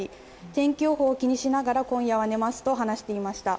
天気予報を気にしながら今夜は寝ますと話していました。